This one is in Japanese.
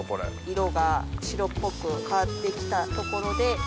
色が白っぽく変わって来たところで。